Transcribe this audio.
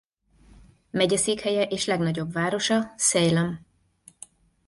Megyeszékhelye és legnagyobb városa Salem.